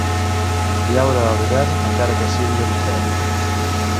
Llaura a l'hivern, encara que sigui a l'infern.